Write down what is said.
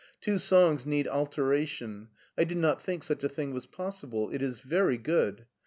Two songs need altera tion. I did not think such a thing was possible. It is very good.